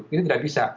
itu tidak bisa